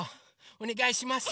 おねがいします。